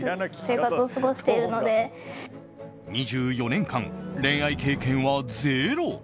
２４年間、恋愛経験はゼロ。